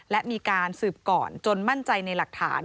และมีการสืบก่อนจนมั่นใจในหลักฐาน